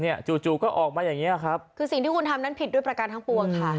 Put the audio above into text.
จู่จู่ก็ออกมาอย่างเงี้ยครับคือสิ่งที่คุณทำนั้นผิดด้วยประการทั้งปวงค่ะ